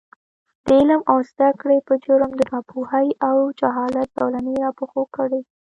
د عـلم او زده کـړې پـه جـرم د نـاپـوهـۍ او جـهالـت زولـنې راپښـو کـړي .